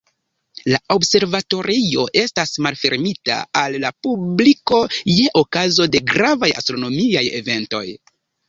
La observatorio estas malfermita al la publiko je okazo de gravaj astronomiaj eventoj.